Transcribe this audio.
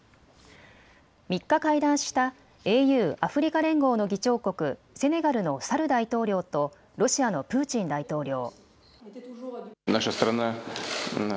３日会談したＡＵ・アフリカ連合の議長国セネガルのサル大統領とロシアのプーチン大統領。